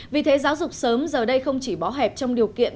vì thế giáo dục sớm giờ đây không chỉ bó hẹp trong điều kiện